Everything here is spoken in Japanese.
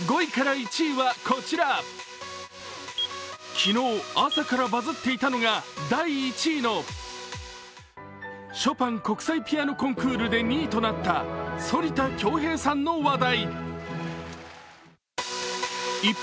昨日朝からバズっていたのが第１位のショパン国際ピアノコンクールで２位となった反田恭平さんの話題。